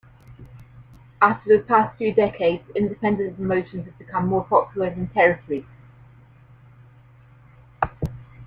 After the past few decades, independent promotions have become more popular than territories.